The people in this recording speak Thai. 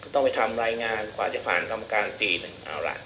ต้องไปทำรายงานกว่าจะผ่านกรรมการตีหนึ่งเอาล่ะ